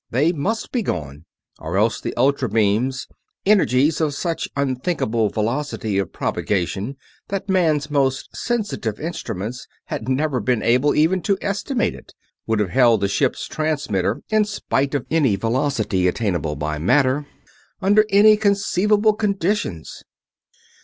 They must be gone, or else the ultra beams energies of such unthinkable velocity of propagation that man's most sensitive instruments had never been able even to estimate it would have held the ship's transmitter in spite of any velocity attainable by matter under any conceivable conditions.